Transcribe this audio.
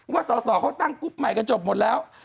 สอสอเขาตั้งกรุ๊ปใหม่กันจบหมดแล้ว